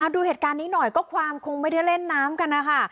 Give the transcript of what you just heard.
ดูเหตุการณ์นี้หน่อยก็ความคงไม่ได้เล่นน้ำกันนะคะ